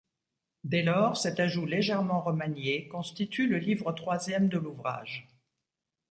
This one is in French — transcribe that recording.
Dès lors, cet ajout légèrement remanié constitue le livre troisième de l'ouvrage.